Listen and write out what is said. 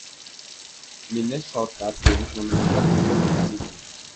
Minnesota Twins memenangkan tujuh pertandingan.